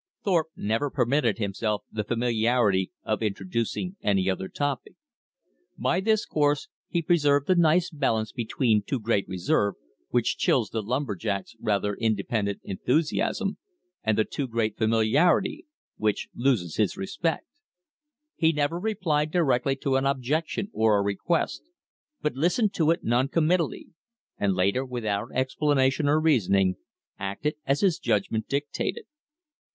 Thorpe never permitted himself the familiarity of introducing any other topic. By this course he preserved the nice balance between too great reserve, which chills the lumber jack's rather independent enthusiasm, and the too great familiarity, which loses his respect. He never replied directly to an objection or a request, but listened to it non committally; and later, without explanation or reasoning, acted as his judgment dictated.